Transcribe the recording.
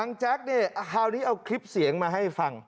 แจ๊กเนี่ยคราวนี้เอาคลิปเสียงมาให้ฟัง